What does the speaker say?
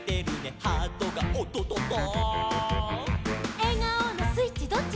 「えがおのスイッチどっち？」